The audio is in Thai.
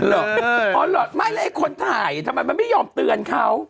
เหรออ๋อเหรอไม่แล้วไอ้คนถ่ายทำไมมันไม่ยอมเตือนเขา